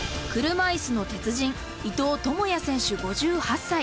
車いすの鉄人、伊藤智也選手５８歳。